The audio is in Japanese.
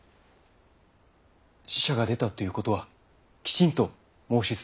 死者が出たということはきちんと申し伝えましょう。